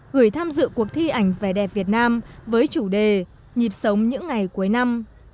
gửi tham dự cuộc thi ảnh vẻ đẹp việt nam với chủ đề nhịp sống những ngày cuối năm